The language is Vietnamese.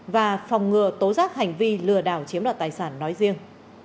và phòng ngừa tố giác hành vi lừa đảo chiếm đoạt tài sản nói riêng